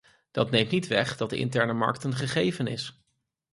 Dat neemt niet weg dat de interne markt een gegeven is.